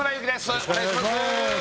よろしくお願いします！